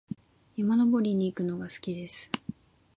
山登りに行くのが好きです。